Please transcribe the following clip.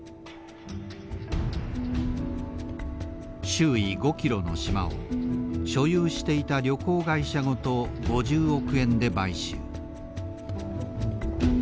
周囲５ｋｍの島を所有していた旅行会社ごと５０億円で買収。